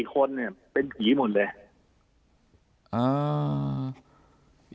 ๔คนเป็นผีหมดเลย